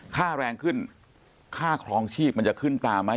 ค่าแรงขึ้นค่าครองชีพมันจะขึ้นตามไหม